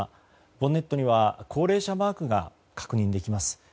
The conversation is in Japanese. ボンネットには高齢者マークが確認できます。